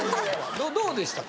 どうでしたか？